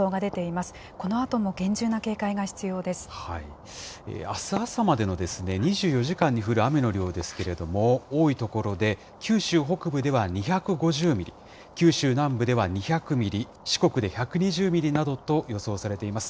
あす朝までの２４時間に降る雨の量ですけれども、多い所で、九州北部では２５０ミリ、九州南部では２００ミリ、四国で１２０ミリなどと予想されています。